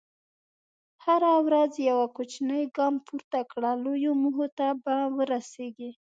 هره ورځ یو کوچنی ګام پورته کړه، لویو موخو ته به ورسېږې.